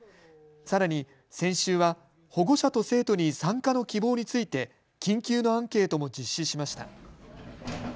さらに先週は保護者と生徒に参加の希望について緊急のアンケートも実施しました。